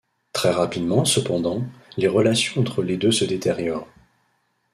Très rapidement, cependant, les relations entre les deux se détériorent.